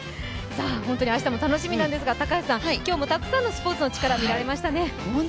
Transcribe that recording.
明日も楽しみなんですが、今日もたくさんのスポーツのチカラ見られましたね。